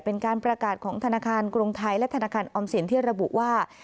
เป็นการประกาศของธนาคารกรุงไทยและธนาคารออมสินที่ระบุว่า